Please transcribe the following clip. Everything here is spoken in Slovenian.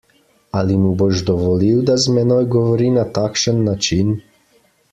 Ali mu boš dovolil, da z menoj govori na takšen način?